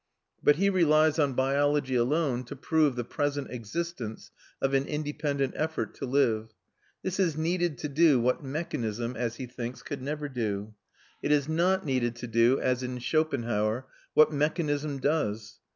But he relies on biology alone to prove the present existence of an independent effort to live; this is needed to do what mechanism, as he thinks, could never do; it is not needed to do, as in Schopenhauer, what mechanism does.